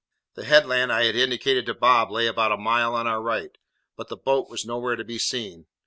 The headland I had indicated to Bob lay about a mile on our right; but the boat was nowhere to be seen.